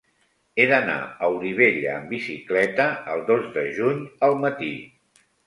He d'anar a Olivella amb bicicleta el dos de juny al matí.